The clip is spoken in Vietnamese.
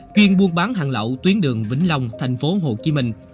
chuyên buôn bán hàng lậu tuyến đường vĩnh long thành phố hồ chí minh